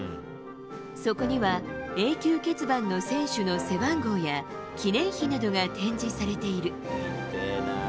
そこには、永久欠番の選手の背番号や記念碑などが展示されている。